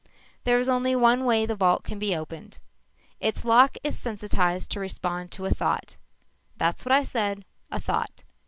_ "_There is only one way the vault can be opened. Its lock is sensitized to respond to a thought. That's what I said a thought.